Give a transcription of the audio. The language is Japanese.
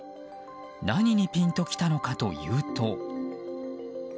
何にピンときたのかというと。